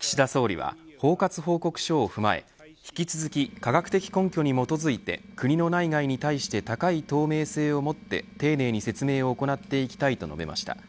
岸田総理は包括報告書を踏まえ引き続き、科学的根拠に基づいて国の内外に対して高い透明性をもって丁寧に説明を行っていきたいと述べました。